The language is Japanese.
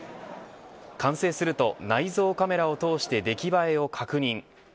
完成すると、内蔵カメラを通して出来映えを確認。